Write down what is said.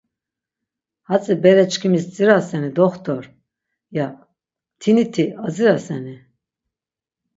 “Hatzi, bere çkimis dziraseni, doxtor?” ya, “Mtiniti adziraseni?”